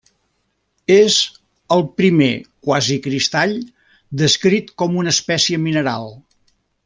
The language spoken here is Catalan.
És el primer quasicristall descrit com una espècie mineral.